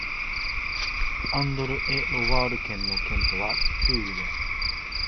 アンドル＝エ＝ロワール県の県都はトゥールである